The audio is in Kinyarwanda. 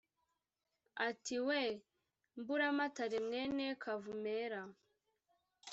Ati :" We Mburamatare mwene kavumera